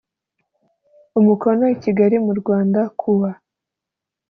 umukono i kigali mu rwanda ku wa